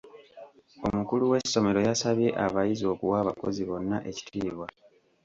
Omukulu w'essomero yasabye abayizi okuwa abakozi bonna ekitiibwa.